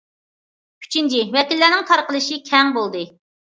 ئۈچىنچى، ۋەكىللەرنىڭ تارقىلىشى كەڭ بولدى.